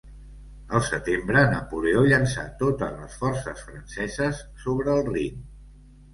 El setembre, Napoleó llençà totes les forces franceses sobre el Rin.